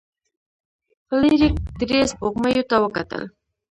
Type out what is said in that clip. فلیریک درې سپوږمیو ته وکتل.